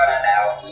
ủa đã nghe không